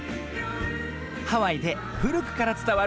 ハワイでふるくからつたわる